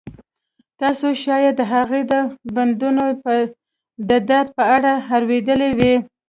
تاسو شاید د هغې د بندونو د درد په اړه اوریدلي وي